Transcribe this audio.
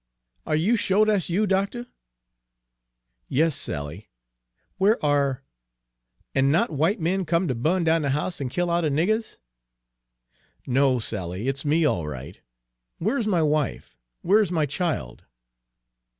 "Are you sho' dat's you, doctuh?" "Yes, Sally; where are" "An' not some w'ite man come ter bu'n down de house an' kill all de niggers?" "No, Sally, it's me all right. Where is my wife? Where is my child?"